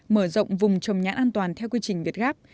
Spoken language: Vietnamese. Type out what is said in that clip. mở rộng vùng trồng nhãn an toàn theo quy trình việt gáp